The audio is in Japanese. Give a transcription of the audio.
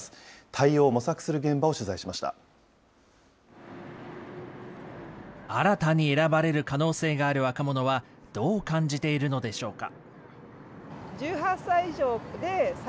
対応を模索する現場を取材しまし新たに選ばれる可能性がある若者はどう感じているのでしょうか。